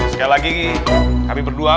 sekali lagi kami berdua